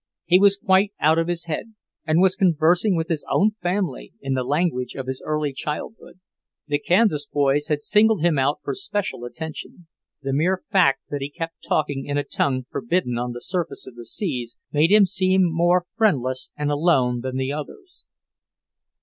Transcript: He was quite out of his head and was conversing with his own family in the language of his early childhood. The Kansas boys had singled him out for special attention. The mere fact that he kept talking in a tongue forbidden on the surface of the seas, made him seem more friendless and alone than the others.